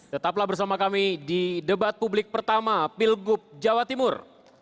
tetaplah bersama kami di debat publik pertama pilgub jawa timur